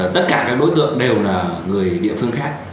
tất cả các đối tượng đều là người địa phương khác